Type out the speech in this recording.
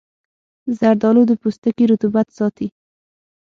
زردآلو د پوستکي رطوبت ساتي.